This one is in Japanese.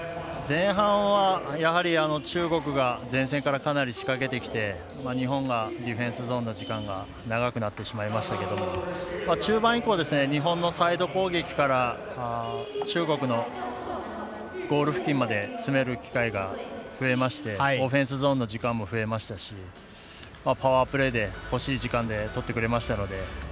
前半はやはり中国が前線からかなり仕掛けてきて日本がディフェンスゾーンの時間が長くなってしまいましたけど中盤以降は日本のサイド攻撃から中国のゴール付近まで詰める機会が増えましてオフェンスゾーンの時間も増えましたしパワープレーで欲しい時間でとってくれましたので。